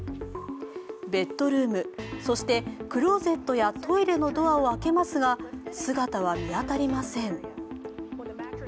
ベッドルーム、そしてクローゼットやトイレのドアを開けますが姿は見当たりません。